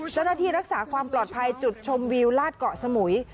เจ้าหน้าที่รักษาความปลอดภัยจุดชมวิวลาดเกาะสมุย